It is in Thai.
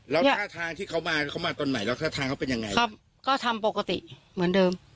แล้วท่าทางที่เขามาเขามาตอนไหนแล้วท่าทางเขาเป็นยังไงก็ก็ทำปกติเหมือนเดิม